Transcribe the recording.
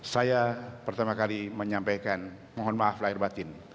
saya pertama kali menyampaikan mohon maaf lahir batin